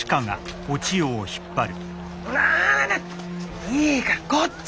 ないいからこっち。